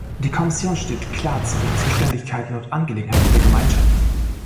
Die Kommission steht klar zu den Zuständigkeiten und Angelegenheiten der Gemeinschaft.